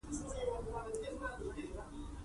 پرښتو له ځان سره يووړ.